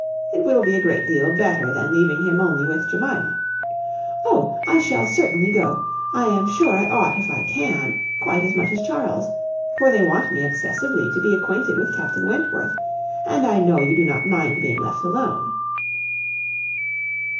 It will be a great deal better than leaving him only with Jemima. Oh! I shall certainly go; I am sure I ought if I can, quite as much as Charles, for they want me excessively to be acquainted with Captain Wentworth, and I know you do not mind being left alone.